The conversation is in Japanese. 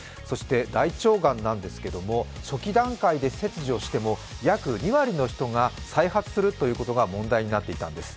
大腸がんなんですけれども、初期段階で切除しても約２割の人が再発するということが問題になっていたんです。